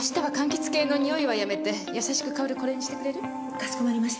かしこまりました。